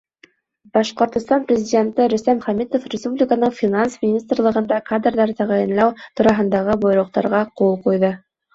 Башҡортостан Президенты Рөстәм Хәмитов республиканың Финанс министрлығында кадрҙар тәғәйенләү тураһындағы бойороҡтарға ҡул ҡуйҙы.